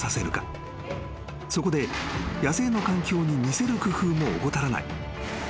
［そこで野生の環境に似せる工夫も怠らない］